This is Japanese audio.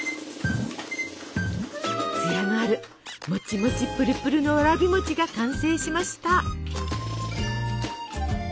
つやのあるもちもちプルプルのわらび餅が完成しました。